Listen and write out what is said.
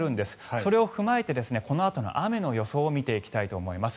それを踏まえてこのあとの雨の予想見ていきたいと思います。